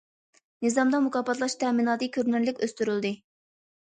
نىزامدا مۇكاپاتلاش تەمىناتى كۆرۈنەرلىك ئۆستۈرۈلدى.